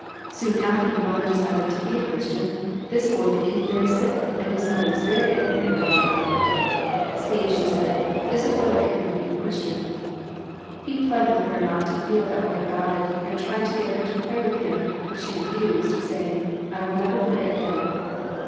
Soon after the mother decided to be a Christian, this boy became very sick and his mother was very angry at God about it. "See," she said, "this is what I get for being a Christian." He plead with her not to feel that way about it, and tried to get her to pray with him; but she refused, saying, "I will never pray again."